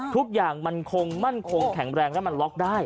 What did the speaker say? ทุกอย่างมันคงมั่นคงแข็งแรงและมันล็อกได้